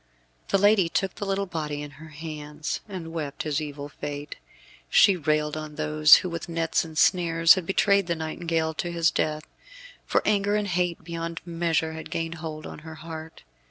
The lady took the little body in her hands, and wept his evil fate. She railed on those who with nets and snares had betrayed the nightingale to his death; for anger and hate beyond measure had gained hold on her heart.